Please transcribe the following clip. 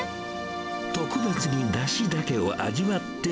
得別に、だしだけを味わって